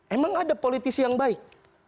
emang ada politisi yang baik